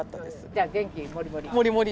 じゃあ、元気もりもり？